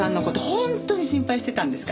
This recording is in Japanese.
本当に心配してたんですからね。